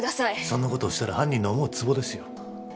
そんなことをしたら犯人の思うつぼですよ